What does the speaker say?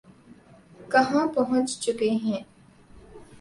کہاں پہنچ چکے ہیں۔